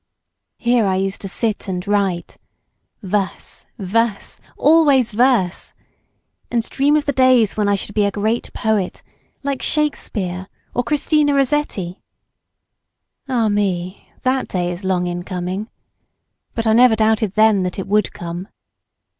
Here I used to sit and write—verse, verse, always verse—and dream of the days when I should be a great poet, like Shakespeare, or Christina Rossetti! Ah me! that day is long in coming! But I never doubted then that it would come.